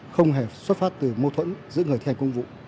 không hề xuất phát từ mâu thuẫn giữa người thi hành công vụ